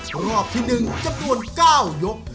รอบที่๑จำนวน๙ยก